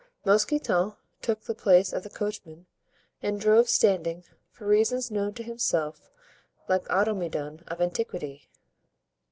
Mousqueton took the place of the coachman, and drove standing, for reasons known to himself, like Automedon of antiquity.